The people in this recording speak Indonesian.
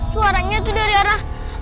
suaranya tuh dari arah